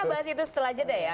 kita bahas itu setelah jeda ya